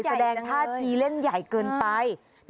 แสดงท่าทีเล่นใหญ่เกินไป